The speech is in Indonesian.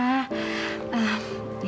nggak nggak nggak